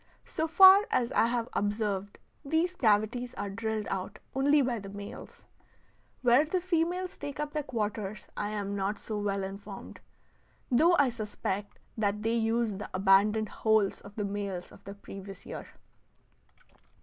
So far as I have observed, these cavities are drilled out only by the males. Where the females take up their quarters I am not so well informed, though I suspect that they use the abandoned holes of the males of the previous year.